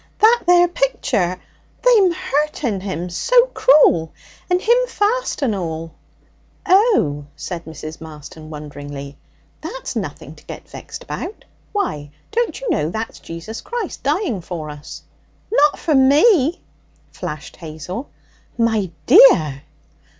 'That there picture! They'm hurting Him so cruel. And Him fast and all.' 'Oh!' said Mrs. Marston wonderingly, 'that's nothing to get vexed about. Why, don't you know that's Jesus Christ dying for us?' 'Not for me!' flashed Hazel. 'My dear!'